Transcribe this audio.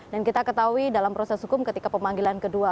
dan kita ketahui dalam proses hukum ketika pemanggilan kedua